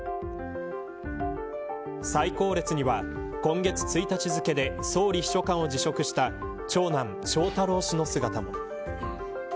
最後列には今月１日付で総理秘書官を辞職した長男、翔太郎氏の姿も。